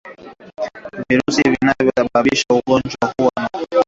Virusi vinavyosababisha ugonjwa huo vinaweza kubebwa na upepo